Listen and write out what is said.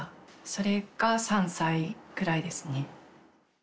それが３歳ぐらいですね。